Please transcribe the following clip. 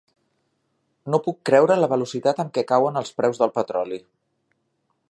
No puc creure la velocitat amb què cauen els preus del petroli.